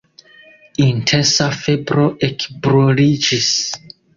Intensa febro ekbruliĝis.